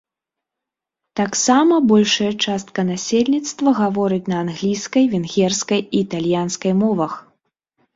Таксама большая частка насельніцтва гаворыць на англійскай, венгерскай і італьянскай мовах.